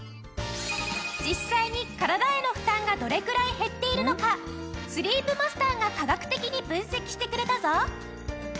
実際に体への負担がどれくらい減っているのかスリープマスターが科学的に分析してくれたぞ。